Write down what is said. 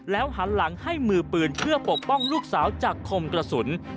หันหลังให้มือปืนเพื่อปกป้องลูกสาวจากคมกระสุน